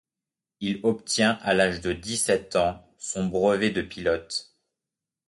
Il obtient à l'âge de dix-sept ans son brevet de pilote.